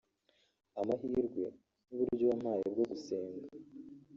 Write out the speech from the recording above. amahirwe n’uburyo wampaye bwo gusenga